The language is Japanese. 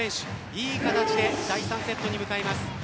いい形で第３セットに向かいます。